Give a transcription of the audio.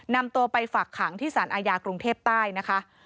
นำตัวไปฝักขังที่สารอาญากรุงเทพใต้นะคะ